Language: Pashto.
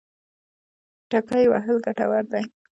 ټکی وهل ګټور دی.